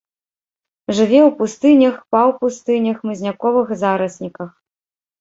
Жыве ў пустынях, паўпустынях, хмызняковых зарасніках.